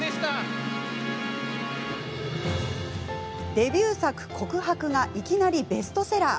デビュー作「告白」がいきなりベストセラー。